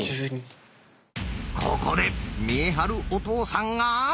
ここで見栄晴お父さんが！